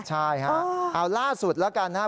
ใช่ค่ะเอาล่าสุดแล้วกันนะ